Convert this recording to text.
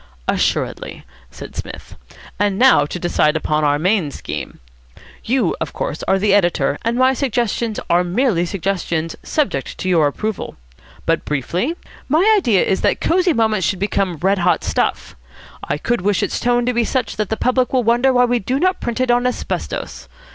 "Assuredly," said Psmith. "And now to decide upon our main scheme. You, of course, are the editor, and my suggestions are merely suggestions, subject to your approval. But, briefly, my idea is that Cosy Moments should become red hot stuff. I could wish its tone to be such that the public will wonder why we do not print it on asbestos.